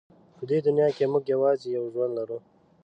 په دې دنیا کې موږ یوازې یو ژوند لرو.